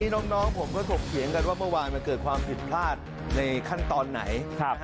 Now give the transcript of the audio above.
น้องผมก็ถกเถียงกันว่าเมื่อวานมันเกิดความผิดพลาดในขั้นตอนไหน